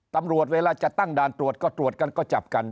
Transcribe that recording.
ตำรวจเวลาจะตั้งด่านตรวจก็ตรวจกันก็จับกัน